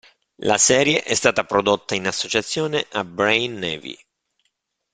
La serie è stata prodotta in associazione a Brain Navi.